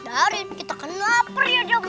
darit kita akan lapar ya dam